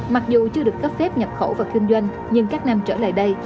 mặc dù chưa được cấp phép nhập khẩu và kinh doanh nhưng các năm trở lại đây